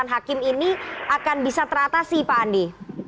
dan hakim ini akan bisa teratasi pak andi